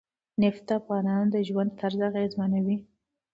نفت د افغانانو د ژوند طرز اغېزمنوي.